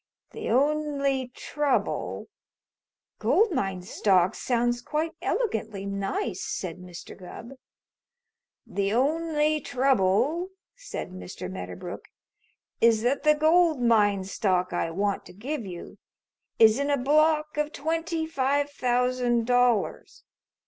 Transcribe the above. The only trouble " "Gold mine stock sounds quite elegantly nice," said Mr. Gubb. "The only trouble," said Mr. Medderbrook, "is that the gold mine stock I want to give you is in a block of twenty five thousand dollars.